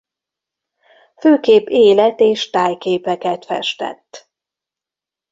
Főképp élet-és tájképeket festett.